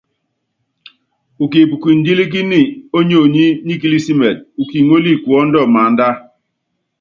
Kipíkundílíkíni ónyonyi nikilísimitɛ, ukíngóli kuɔ́ndɔ maánda.